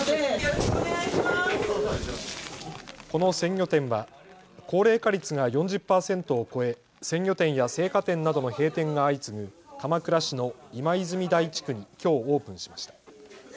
この鮮魚店は高齢化率が４０％を超え鮮魚店や青果店などの閉店が相次ぐ鎌倉市の今泉台地区にきょうオープンしました。